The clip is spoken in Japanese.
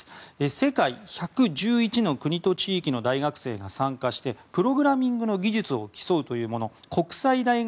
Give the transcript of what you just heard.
世界１１１の国と地域の大学生が参加してプログラミングの技術を競う国際大学